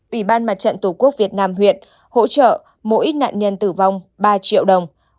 ủy ban mặt trận tổ quốc việt nam huyện hỗ trợ mỗi nạn nhân tử vong ba triệu đồng